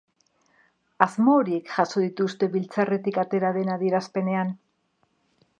Asmo horiek jaso dituzte biltzarretik atera den adierazpenean.